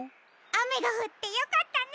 あめがふってよかったね。